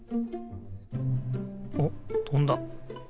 おっとんだ。